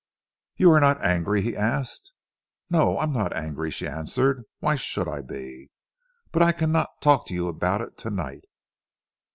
"You are not angry?" he asked. "No, I am not angry," she answered. "Why should I be? But I cannot talk to you about it tonight."